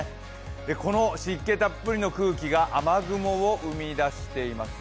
この湿気たっぷりの空気が雨雲を生み出しています。